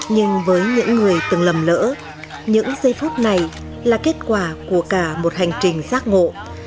nhưng với những người từng lầm lỡ những giây phút này là kết quả của cả một hành trình giác ngộ